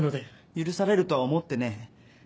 許されるとは思ってねえ。